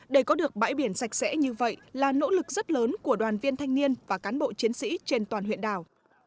để có được bãi biển sạch sẽ như vậy là nỗ lực rất lớn của đoàn viên thanh niên và cán bộ chiến sĩ trên toàn huyện đảo